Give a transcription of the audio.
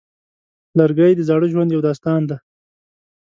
لرګی د زاړه ژوند یو داستان دی.